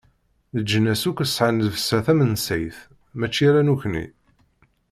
Leǧnas akk sɛan llebsa tamensayt, mačči ala nekni.